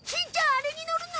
あれに乗るの？